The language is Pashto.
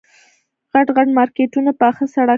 غټ غټ مارکېټونه پاخه سړکان.